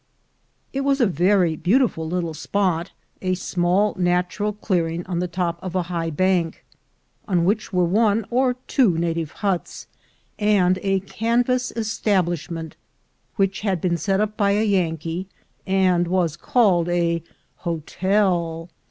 It was a very beautiful little spot — a small natural clearing on the top of a high bank, on which were one or two native huts, and a canvas establishment which had been set up by a Yankee, and was called a "Hotel."